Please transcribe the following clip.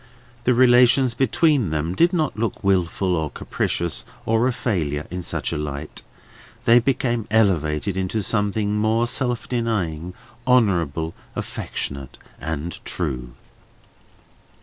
The relations between them did not look wilful, or capricious, or a failure, in such a light; they became elevated into something more self denying, honourable, affectionate, and true.